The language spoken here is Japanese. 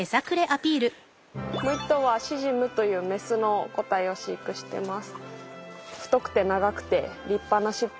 もう一頭はシジムというメスの個体を飼育してます。